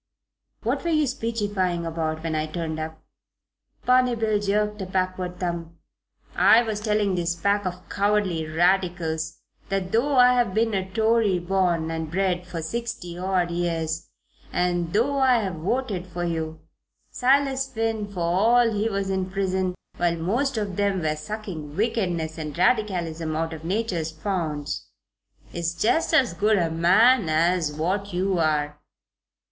"What were you speechifying about when I turned up?" Barney Bill jerked a backward thumb. "I was telling this pack of cowardly Radicals that though I've been a Tory born and bred for sixty odd years, and though I've voted for you, Silas Finn, for all he was in prison while most of them were sucking wickedness and Radicalism out of Nature's founts, is just as good a man as what you are.